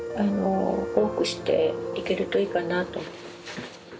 多くしていけるといいかなと。